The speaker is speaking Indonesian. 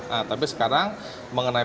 nah tapi sekarang mengenai